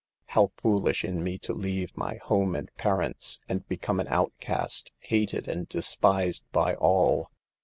How foolish in me to leave my home and pa rents and become an outcast, hated and despised by all.